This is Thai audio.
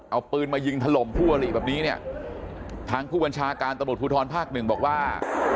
เอาปืนมายิงถล่มผู้หลี่แบบนี้เนี่ยทางผู้บัญชาการตะโบดภูทรภาค๑บอกว่า